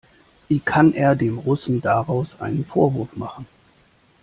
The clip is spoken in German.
Wie kann er dem Russen daraus einem Vorwurf machen?